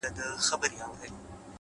حوصله د سختو حالاتو رڼا ده؛